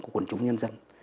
quận chủ nhân dân